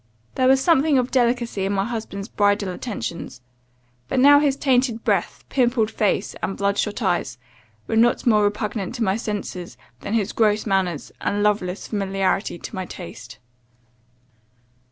There was something of delicacy in my husband's bridal attentions; but now his tainted breath, pimpled face, and blood shot eyes, were not more repugnant to my senses, than his gross manners, and loveless familiarity to my taste.